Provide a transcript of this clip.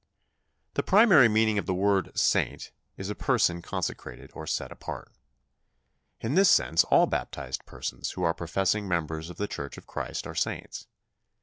The primary meaning of the word "saint" is a person consecrated or set apart. In this sense all baptized persons who are professing members of the Church of Christ are saints.